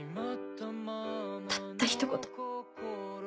たったひと言。